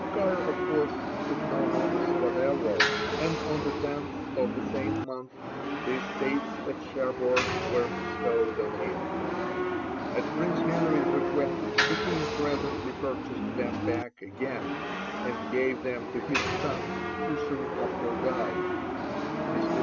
Carr, of course, took no notice whatever, and on the 10th of the same month the estates at Sherborne were bestowed on him. At Prince Henry's request the King presently purchased them back again, and gave them to his son, who soon after died. Mr.